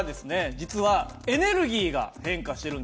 実はエネルギーが変化してるんですね。